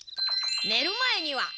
ねる前には！